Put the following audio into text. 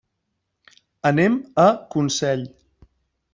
Anem a Consell.